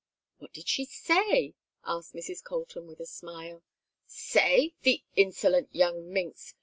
"What did she say?" asked Mrs. Colton, with a smile. "Say? The insolent young minx!